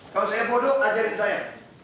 kalau saya bodoh ngajarin saya